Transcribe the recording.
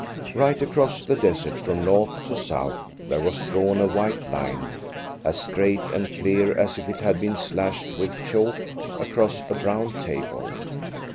Right across the desert, from north to south, there was drawn a white line, as straight and clear as if it had been slashed with chalk across a brown table.